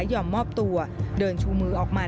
มีความรู้สึกว่า